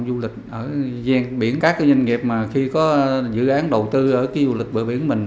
du lịch ở giang biển các doanh nghiệp mà khi có dự án đầu tư ở cái du lịch bờ biển mình